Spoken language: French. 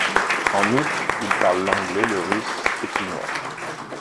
En outre, il parle l'anglais, le russe et finnois.